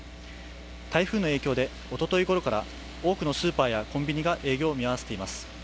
台風の影響でおとといごろから多くのスーパーやコンビニが営業を見合わせています。